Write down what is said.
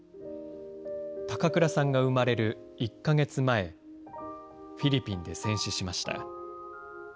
高倉さんが生まれる１か月前、フィリピンで戦死しました。